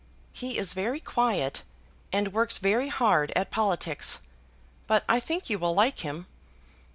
He is very quiet, and works very hard at politics; but I think you will like him.